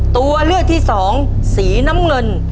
ตัวเลือกที่สองสีน้ำเงิน